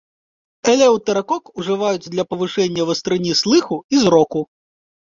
Элеўтэракок ужываюць для павышэння вастрыні слыху і зроку.